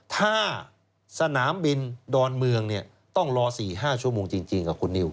ถ้าสนามบินดอนเมืองเนี้ยต้องรอสี่ห้าชั่วโมงจริงจริงกับคุณนิว